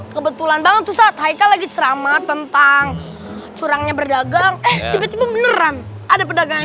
kebetulan banget saat haikal lagi ceramah tentang curangnya berdagang tiba tiba beneran ada pedagang